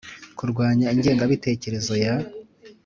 Kurwanya ingengabitekerezo ya